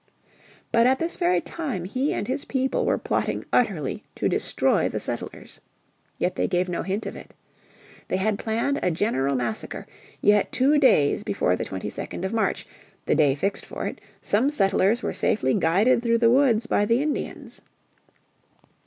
But at this very time he and his people were plotting utterly to destroy the settlers. Yet they gave no hint of it. They had planned a general massacre, yet two days before the 22nd of March, the day fixed for it, some settlers were safely guided through the woods by the Indians.